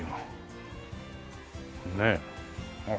ねえ。